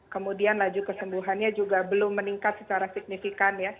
kemudian laju kesembuhannya juga belum meningkat secara signifikan ya